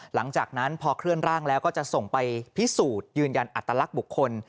หลังจากนั้นพอเคลื่อนร่างแล้วก็จะส่งไปพิสูจน์ยืนยันอัตลักษณ์บุคคล